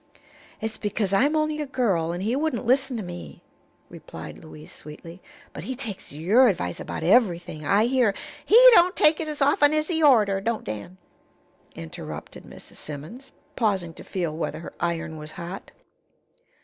"It's because I'm only a girl, and he wouldn't listen to me," replied Louise, sweetly. "But he takes your advice about everything, I hear " "He don't take it as often as he orter, don't Dan," interrupted Mrs. Simmons, pausing to feel whether her iron was hot.